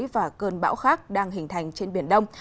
những phả cơn bão khác đang hình thành trên biển đông